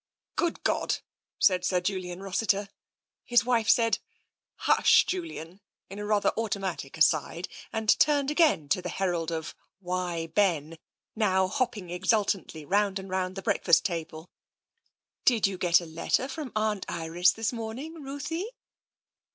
Good God !" said Sir Julian Rossiter. His wife said, "Hush, Julian!" in a rather auto ^ matic aside and turned again to the herald of " Why, Ben !" now hopping exultantly round and round the ^ breakfast table. " Did you get a letter from Aunt Iris this morning, Ruthie?"